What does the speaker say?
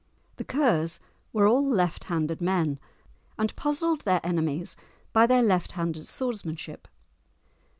The Kers were all left handed men, and puzzled their enemies by their left handed swordsmanship.